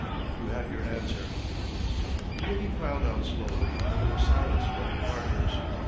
You have your answer." The committee filed out slowly and there was silence among the partners.